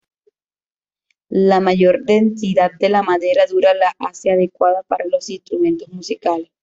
La mayor densidad de la madera dura la hace adecuada para los instrumentos musicales.